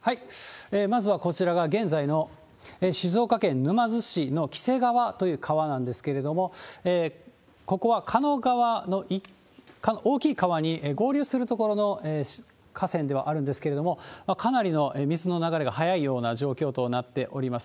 まずはこちらが現在の静岡県沼津市の黄瀬川という川なんですけれども、ここはかの川の大きい川に合流する所の河川ではあるんですけれども、かなりの水の流れが速いような状況となっております。